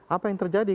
apa yang terjadi